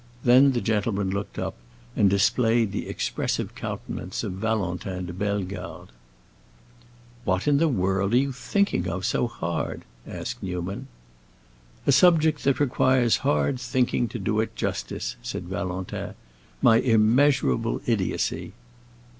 Then the gentleman looked up and displayed the expressive countenance of Valentin de Bellegarde. "What in the world are you thinking of so hard?" asked Newman. "A subject that requires hard thinking to do it justice," said Valentin. "My immeasurable idiocy."